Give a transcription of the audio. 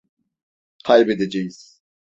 Kaybedeceğiz.